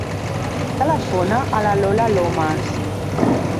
Telefona a la Lola Lomas.